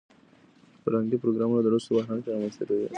فرهنګي پروګرامونه د لوستلو فرهنګ رامنځته کوي.